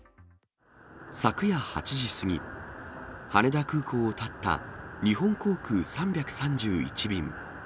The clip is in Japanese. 昨夜８時過ぎ、羽田空港を発った日本航空３３１便。